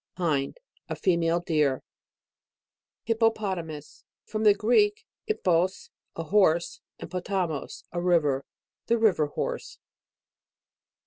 HIND. A female deer. HIPPOPOTAMUS. From the Greek, ip pox, a horse, and potamos, a river. The river hor=e.